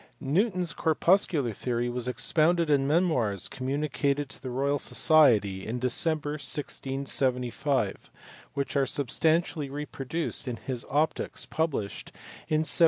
Newton s corpuscular theory was expounded in memoirs communicated to the Royal Society in December, 1675, which are substantially reproduced in his Optics, published in 1704.